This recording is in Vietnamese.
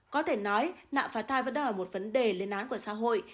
có thể nói nạn phá thai vẫn đang là một vấn đề lên án của xã hội